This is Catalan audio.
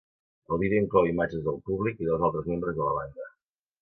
El vídeo inclou imatges del públic i dels altres membres de la banda.